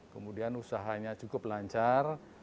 kemudian usahanya cukup lancar